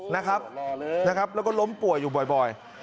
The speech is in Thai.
นะครับแล้วก็ล้มป่วยอยู่บ่อย